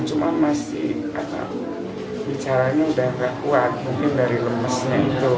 cuma masih bicaranya udah gak kuat mungkin dari lemesnya itu